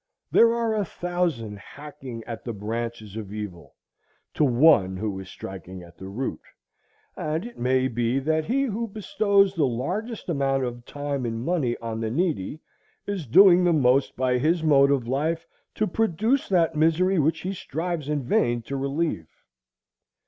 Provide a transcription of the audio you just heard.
There are a thousand hacking at the branches of evil to one who is striking at the root, and it may be that he who bestows the largest amount of time and money on the needy is doing the most by his mode of life to produce that misery which he strives in vain to relieve.